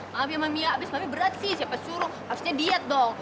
mami mami abis abis mami berat sih siapa suruh habisnya diet dong